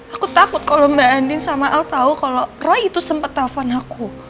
aku takut kalau mbak andin sama al tahu kalau roy itu sempat telpon aku